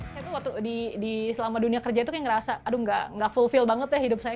saya tuh waktu di selama dunia kerja itu kayak ngerasa aduh nggak fulfill banget deh hidup saya